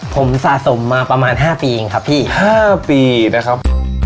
ผมสะสมมาประมาณ๕ปีเองครับพี่๕ปีนะครับ